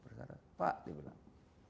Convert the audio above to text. perkara pak dia bilang